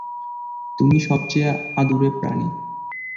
তুমি সবচেয়ে আদুরে প্রাণী।